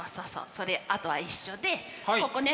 それあとは一緒でここね。